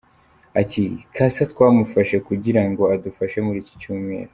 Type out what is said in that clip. Ati “Cassa twamufashe kugira ngo adufashe muri iki Cyumweru.